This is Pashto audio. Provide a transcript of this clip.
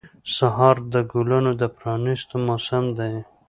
سهار د ګلانو د پرانیستو موسم دی.